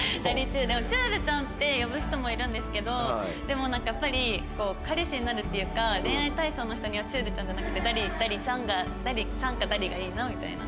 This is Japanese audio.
「ちゅーるちゃん」って呼ぶ人もいるんですけどでもなんかやっぱり彼氏になるっていうか恋愛対象の人には「ちゅーるちゃん」じゃなくて「ダリちゃん」が「ダリちゃん」か「ダリ」がいいなみたいな。